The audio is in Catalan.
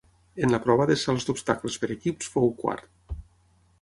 En la prova de salts d'obstacles per equips fou quart.